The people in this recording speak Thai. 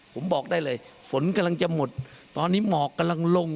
ผมบอกได้เลยฝนกำลังจะหมดตอนนี้หมอกกำลังลง